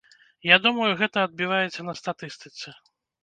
Я думаю, гэта адбіваецца на статыстыцы.